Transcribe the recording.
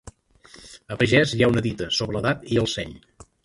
A pagès hi ha una dita sobre l'edat i el seny.